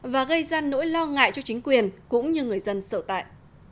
và gây ra nỗi lo ngại cho chính quyền cũng như người dân sở tại